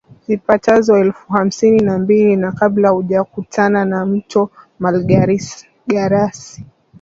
zipatazo elfu hamsini na mbili na kabla haujakutana na mto Malagarasi